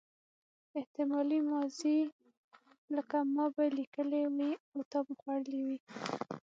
احتمالي ماضي لکه ما به لیکلي وي او تا به خوړلي وي.